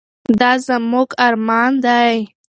دا زموږ ارمان دی.